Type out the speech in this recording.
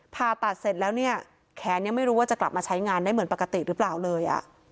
ผ่าตัดเสร็จแล้วเนี่ยแขนยังไม่รู้ว่าจะกลับมาใช้งานได้เหมือนปกติหรือเปล่าเลย